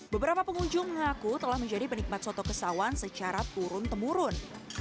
beberapa pengunjung mengaku telah menjadi penikmat soto kesawan secara turun temurun